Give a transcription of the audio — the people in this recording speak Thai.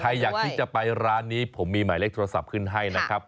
อยากที่จะไปร้านนี้ผมมีหมายเลขโทรศัพท์ขึ้นให้นะครับ